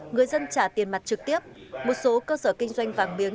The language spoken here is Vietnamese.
người dân trả tiền mặt trực tiếp một số cơ sở kinh doanh vàng miếng